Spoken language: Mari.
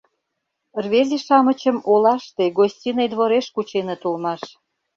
Рвезе-шамычым олаште, Гостиный двореш кученыт улмаш